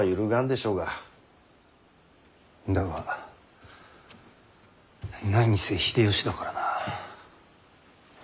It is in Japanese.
だが何せ秀吉だからな。